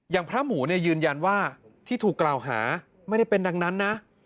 พระหมูเนี่ยยืนยันว่าที่ถูกกล่าวหาไม่ได้เป็นดังนั้นนะ